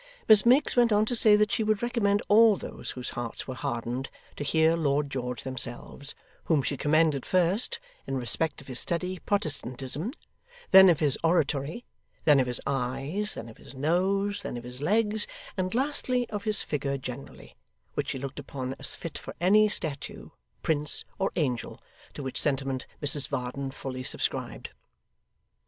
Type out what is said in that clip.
Miss Miggs went on to say that she would recommend all those whose hearts were hardened to hear Lord George themselves, whom she commended first, in respect of his steady Protestantism, then of his oratory, then of his eyes, then of his nose, then of his legs, and lastly of his figure generally, which she looked upon as fit for any statue, prince, or angel, to which sentiment Mrs Varden fully subscribed.